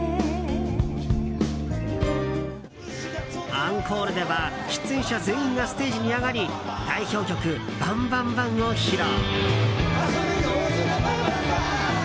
アンコールでは出演者全員がステージに上がり代表曲「バン・バン・バン」を披露。